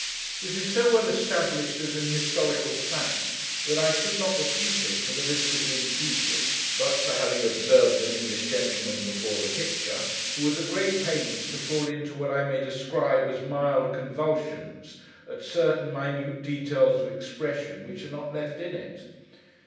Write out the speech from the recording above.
This is so well established as an historical fact, that I should not repeat it, at the risk of being tedious, but for having observed an English gentleman before the picture, who was at great pains to fall into what I may describe as mild convulsions, at certain minute details of expression which are not left in it.